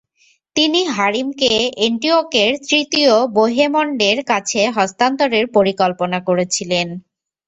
তিনি হারিমকে এন্টিওকের তৃতীয় বোহেমন্ডের কাছে হস্তান্তরের পরিকল্পনা করছিলেন।